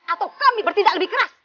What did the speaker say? atau kami bertindak lebih keras